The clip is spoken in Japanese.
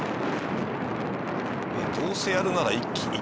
どうせやるなら一気に。